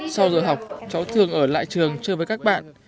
sau giờ học cháu thường ở lại trường chơi với các bạn